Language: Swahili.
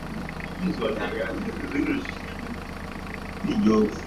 na hivyo kumaliza emirati yao ya kwanza Abdullah alitumwa Istanbul